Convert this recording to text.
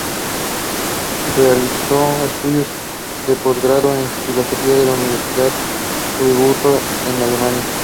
Realizó estudios de posgrado en Filosofía en la Universidad de Friburgo en Alemania.